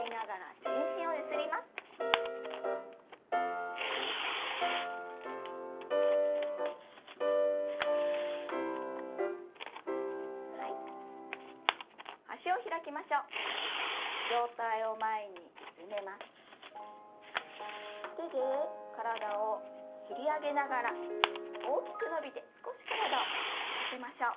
手で体を擦り上げながら大きく伸びて少し体を反らせましょう。